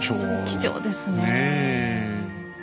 貴重ですねえ。